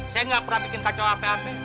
saya gak pernah bikin kacau apa apa